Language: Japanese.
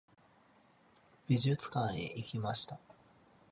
美術館へ行きました。